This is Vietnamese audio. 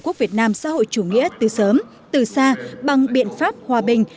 tổ quốc việt nam xã hội chủ nghĩa từ sớm từ xa bằng biện pháp hòa bình